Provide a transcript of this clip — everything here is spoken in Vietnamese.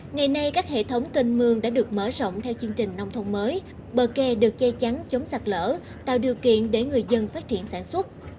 ngày nay các hệ thống kênh mương đã được mở rộng theo chương trình nông thôn mới bờ kè được che chắn chống sặc lỡ tạo điều kiện để người dân phát triển sản xuất